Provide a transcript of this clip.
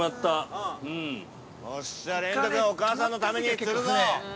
よっしゃ、れんと君、お母さんのために釣るぞ！